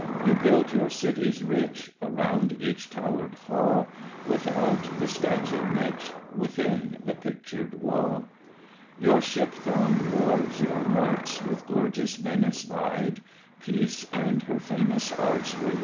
You built your cities rich Around each towered hall, — Without, the statued niche, Withip, the pictured wall. Your ship throfl^ged vJiarves^ yoiat mMxis With gorgepiis Veaioa vkd. Peace and her tanom Mft» Were y«!